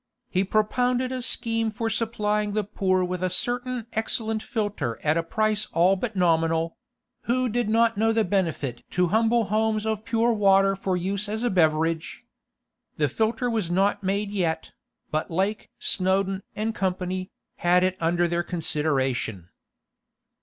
He propounded a scheme for supplying the poor with a certain excellent filter at a price all but nominal; who did not know the benefit to humble homes of pure water for use as a beverage? The filter was not made yet, but Lake, Snowdon, & Co., had it under their consideration.